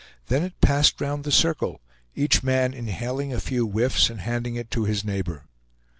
Then it passed round the circle, each man inhaling a few whiffs and handing it to his neighbor.